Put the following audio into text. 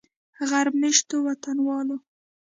غرب میشتو وطنوالو